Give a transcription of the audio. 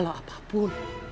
mama tidak salah apapun